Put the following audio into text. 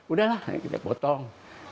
udah lah kita potong